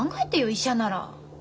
医者なら。